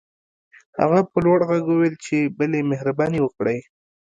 هغه په لوړ غږ وويل چې بلې مهرباني وکړئ.